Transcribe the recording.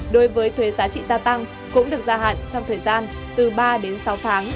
đối với thuế giá trị gia tăng cũng được gia hạn trong thời gian từ ba đến sáu tháng